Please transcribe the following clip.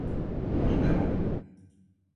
И не могу!